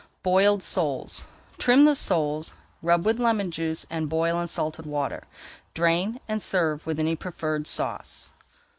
BOILED SOLES Trim the soles, rub with lemon juice and boil in salted water. Drain, and serve with any preferred sauce.